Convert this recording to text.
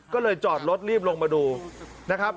ก็เลยจอดรถรีบลงมาดูนะครับ